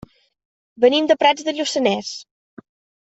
Venim de Prats de Lluçanès.